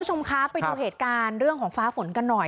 คุณผู้ชมคะไปดูเหตุการณ์เรื่องของฟ้าฝนกันหน่อย